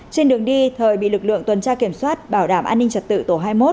trên đường đi thời bị lực lượng tuần tra kiểm soát bảo đảm an ninh trật tự tổ hai mươi một